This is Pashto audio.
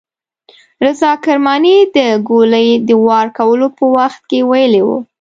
رضا کرماني د ګولۍ د وار کولو په وخت کې ویلي وو.